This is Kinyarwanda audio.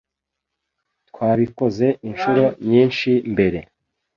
Twabikoze inshuro nyinshi mbere.